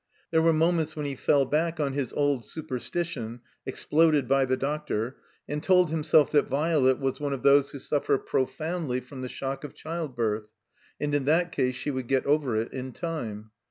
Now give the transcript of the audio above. There were moments when he fell bad^ on his old superstition (exploded by the doctor) and told himself that Violet was one of those who suffer profoundly from the shock of childbirth. And in that case she would get over it in time.